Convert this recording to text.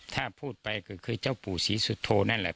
ถ้าพูดไปก็คือเจ้าปู่ศรีสุโธนั่นแหละ